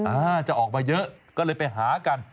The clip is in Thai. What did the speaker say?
อาจจะออกมาเยอะก็เลยไปหากัน